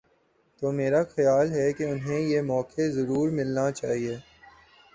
تو میرا خیال ہے کہ انہیں یہ موقع ضرور ملنا چاہیے۔